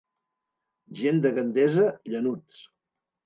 Gent de Gandesa, llanuts.